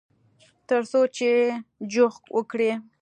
ترڅو چې جوښ وکړي.